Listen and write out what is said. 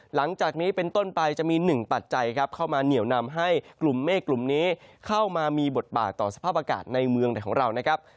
หลังจากนี้เป็นต้นไปจะมีหนึ่งปัจจัยครับเข้ามาเหนียวนำให้กลุ่มเมฆกลุ่มนี้เข้ามามีบทบาทต่อสภาพอากาศในเมืองไทยของเรานะครับ